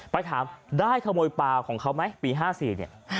ไปถามได้ขโมยปลาของเขาไหมปี๕๔เนี่ย